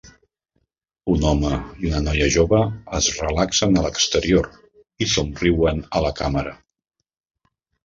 Un home i una noia jove es relaxen a l'exterior i somriuen a la càmera.